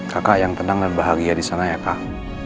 kakak yang tenang dan bahagia disana ya kak